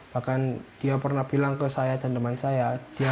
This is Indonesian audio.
bahkan dia pernah bilang ke saya dan teman saya